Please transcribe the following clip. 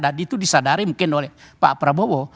dan itu disadari mungkin oleh pak prabowo